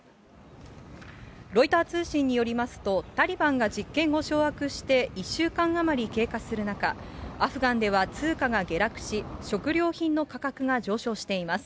ロイター通信によりますと、タリバンが実権を掌握して１週間余り経過する中、アフガンでは通貨が下落し、食料品の価格が上昇しています。